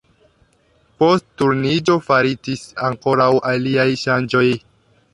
Post Turniĝo faritis ankoraŭ aliaj ŝanĝoj.